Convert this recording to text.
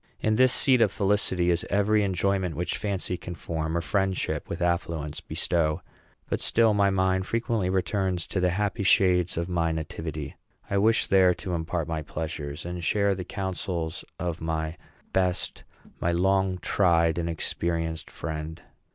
In this seat of felicity is every enjoyment which fancy can form, or friendship, with affluence, bestow; but still my mind frequently returns to the happy shades of my nativity. I wish there to impart my pleasures, and share the counsels of my best, my long tried, and experienced friend.